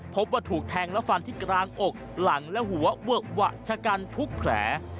พบว่าถูกแทงและฟันที่กลางอกหลังและหัวเวอะหวะชะกันทุกแผล